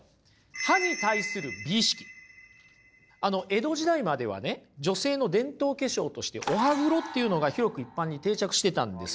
江戸時代まではね女性の伝統化粧としてお歯黒っていうのが広く一般に定着してたんですよ。